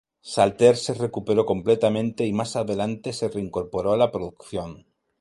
Salter se recuperó completamente y más adelante se reincorporó a la producción.